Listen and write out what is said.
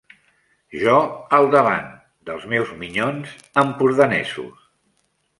Jo al davant dels meus minyons empordanesos.